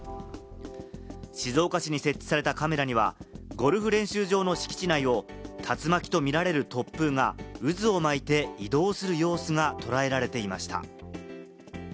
静岡市に設置されたカメラにはゴルフ練習場の敷地内を竜巻とみられる突風が渦を巻いて移動する様子が捉えられていました。